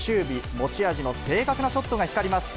持ち味の正確なショットが光ります。